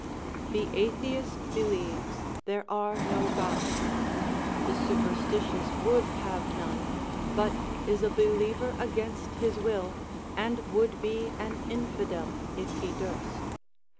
* The atheist believes there are no Gods ; the superstitious would have none, but is a believer against his will, and would be an infidel if he durst.